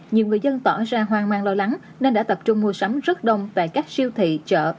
nhiều người dân tỏ ra hoang mang lo lắng nên đã tập trung mua sắm rất đông tại các siêu thị chợ